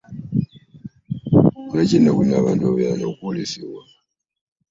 Lwaki ennaku zino abantu babeera n'okolesebwa?